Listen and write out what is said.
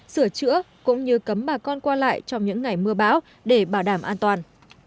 sửa chữa cũng như cấm bà con qua lại trong những ngày mưa bão để bảo đảm an toàn